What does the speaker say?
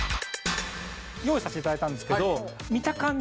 用意させていただいたんですけど見た感じ